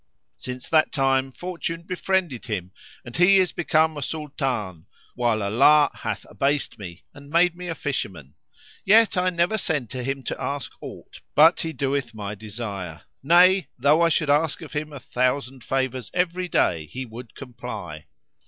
Since that time Fortune befriended him and he is become a Sultan, while Allah hath abased me and made me a fisherman; yet I never send to him to ask aught but he doeth my desire; nay, though I should ask of him a thousand favours every day, he would comply."